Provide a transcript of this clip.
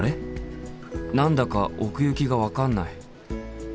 何だか奥行きが分かんない。